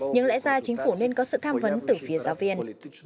nhưng lẽ ra chính phủ nên có sự tham vấn từ phía giáo viên